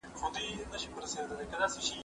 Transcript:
هغه څوک چي کار کوي منظم وي!!